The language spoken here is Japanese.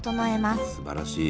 すばらしい。